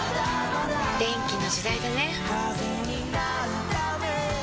電気の時代だね。